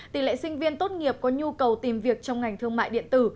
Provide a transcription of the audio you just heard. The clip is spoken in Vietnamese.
tỷ lệ sinh viên tốt nghiệp có nhu cầu tìm việc trong ngành thương mại điện tử